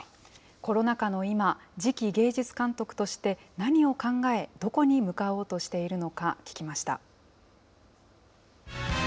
コロナ禍の今、次期芸術監督として何を考え、どこに向かおうとしているのか、聞きました。